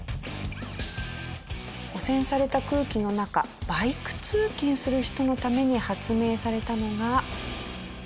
汚染された空気の中バイク通勤する人のために発明されたのが。